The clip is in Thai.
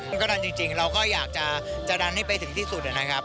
มันก็ดันจริงเราก็อยากจะดันให้ไปถึงที่สุดนะครับ